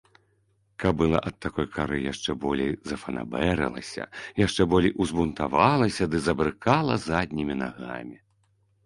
Кабыла ад такой кары яшчэ болей зафанабэрылася, яшчэ болей узбунтавалася ды забрыкала заднімі нагамі.